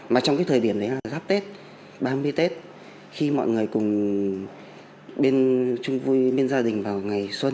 mà trong cái thời điểm đấy là giáp tết ba mươi tết khi mọi người cùng bên chung vui bên gia đình vào ngày xuân